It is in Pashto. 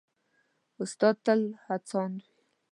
استاد تل هڅاند وي.